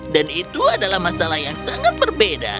dan itu adalah masalah yang sangat berbeda